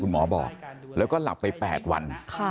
หมอบอกแล้วก็หลับไป๘วัน